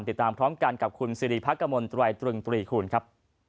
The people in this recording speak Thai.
ติดตามพร้อมกันกับคุณสิริพักกมลตรายตรึงตรีคูณครับ